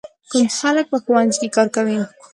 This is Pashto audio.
کوم خلک په ښوونځي کې کار کوي؟